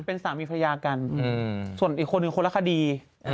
เป็นสามีภรรยากันส่วนอีกคนหนึ่งคนละคดี